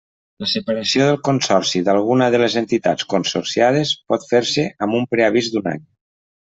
La separació del Consorci d'alguna de les entitats consorciades pot fer-se amb un preavís d'un any.